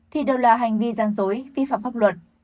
thì đều là hành vi gian dối vi phạm pháp luật